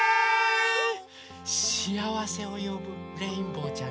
しあわせをよぶレインボーちゃんです。